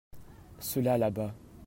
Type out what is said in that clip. ceux-là là-bas.